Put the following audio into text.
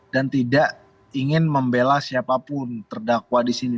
dan tidak ingin membela siapapun terdakwa di sini